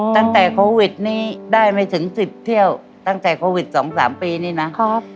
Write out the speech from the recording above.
อ๋อตั้งแต่โควิดนี้ได้ไม่ถึงสิบเที่ยวตั้งแต่โควิดสองสามปีนี้น่ะครับ